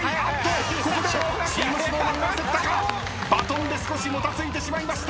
ここでチームＳｎｏｗＭａｎ焦ったかバトンで少しもたついてしまいました。